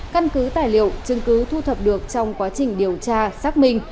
căn cứ tài liệu chứng cứ thu thập được trong quá trình điều tra xác minh